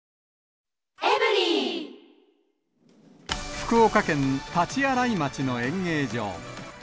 福岡県大刀洗町の園芸場。